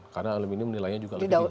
karena aluminium nilainya juga lebih tinggi